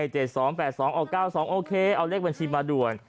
เจ็ดสองแปดสองออกเก้าสองโอเคเอาเลขบัญชีมาด่วน